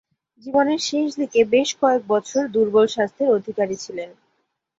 জীবনের শেষদিকে বেশ কয়েক বছর দূর্বল স্বাস্থ্যের অধিকারী ছিলেন।